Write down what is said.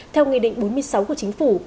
theo nghị định bốn mươi sáu của chính phủ